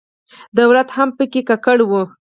دولت هم په کې ککړ و.